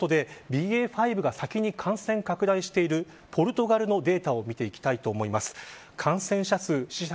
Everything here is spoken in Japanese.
ＢＡ．５が先に感染拡大しているポルトガルのデータを見ていきます。